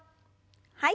はい。